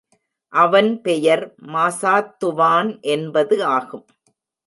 அவன் பெயர் மாசாத்துவான் என்பது ஆகும்.